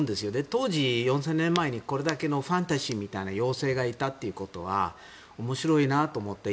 当時４０００年前にこれだけのファンタジーみたいな妖精がいたということは面白いなと思って。